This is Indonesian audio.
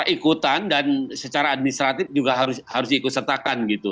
ikutan dan secara administratif juga harus diikutsertakan gitu